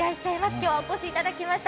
今日はお越しいただきました。